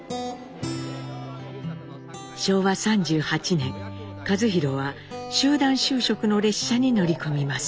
昭和３８年一寛は集団就職の列車に乗り込みます。